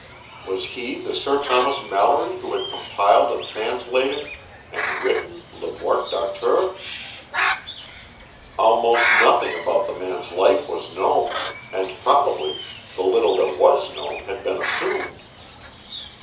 Was he the Sir Thomas Malory who had compiled and translated and written Le Morte d'Arthur? Almost nothing about the man's life was known, and probably the little that was known had been assumed.